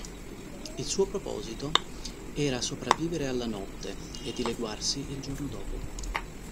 Il suo proposito era sopravvivere alla notte e dileguarsi il giorno dopo.